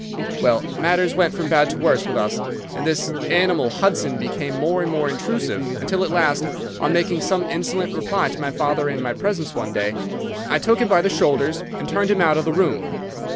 "'Well, matters went from bad to worse with us, and this animal Hudson became more and more intrusive, until at last, on making some insolent reply to my father in my presence one day, I took him by the shoulders and turned him out of the room.